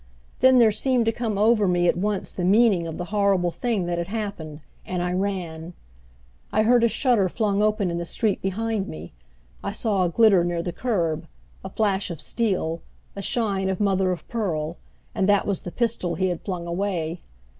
Then there seemed to come over me at once the meaning of the horrible thing that had happened, and I ran. I heard a shutter flung open in the street behind me. I saw a glitter near the curb, a flash of steel, a shine of mother of pearl, and that was the pistol he had flung away.